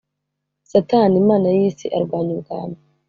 Satani imana y iyi si arwanya Ubwami